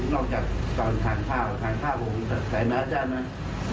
นอกจากก่อนทางภาพทางภาพของคุณแต่ไหนนะอาจารย์มั้ย